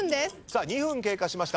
２分経過しました。